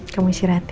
kamu istirahat ya